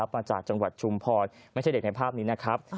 มาจากจังหวัดชุมพรไม่ใช่เด็กในภาพนี้นะครับ